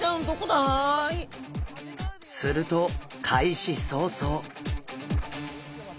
すると開始早々。